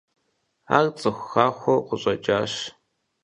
Ар цӏыху хахуэу къыщӏэкӏащ.